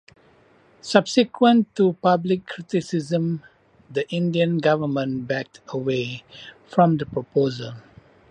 Subsequent to public criticisms, the Indian government backed away from the proposal.